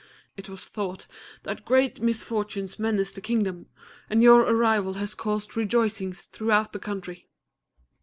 It was thought that great misfortunes menaced the Kingdom, and your arrival has caused rejoicings throughout the country."